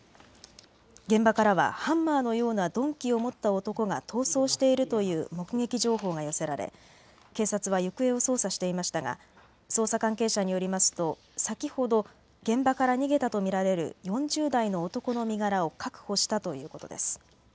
現場からはハンマーのような鈍器を持った男が逃走しているという目撃情報が寄せられ警察は行方を捜査していましたが捜査関係者によりますと先ほど現場から逃げたとみられる４０代の男の身柄を確保したということです。